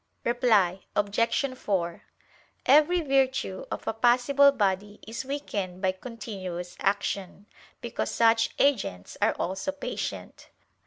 Reply Obj. 4: Every virtue of a passible body is weakened by continuous action, because such agents are also patient.